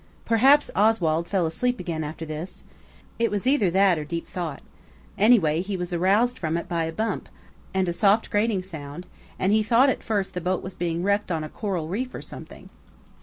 Perhaps Oswald fell asleep again after this. It was either that or deep thought. Any way, he was aroused from it by a bump, and a soft grating sound, and he thought at first the boat was being wrecked on a coral reef or something.